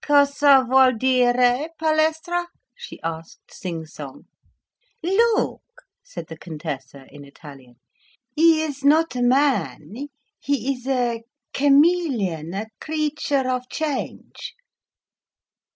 "Cosa vuol'dire, Palestra?" she asked, sing song. "Look," said the Contessa, in Italian. "He is not a man, he is a chameleon, a creature of change."